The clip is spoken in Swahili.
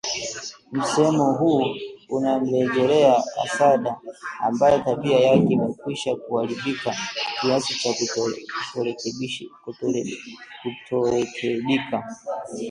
Msemo huu unamrejelea Hasada ambaye tabia yake imekwisha kuharibika kiasi cha kutorekebika